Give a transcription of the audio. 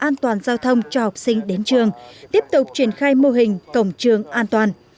an toàn giao thông cho học sinh đến trường tiếp tục triển khai mô hình cổng trường an toàn